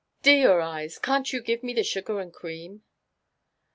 D — n your eyes ! can't you give me the sugar and cream